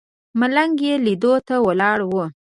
ملنګ یې لیدو ته ولاړ و.